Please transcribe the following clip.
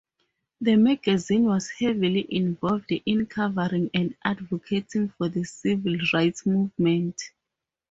The magazine was heavily involved in covering and advocating for the civil rights movement.